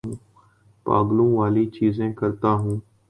پاگلوں والی چیزیں کرتا ہوں